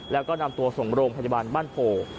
แล้วก็นำตัวส่งโรงทัศน์บ้านโผล่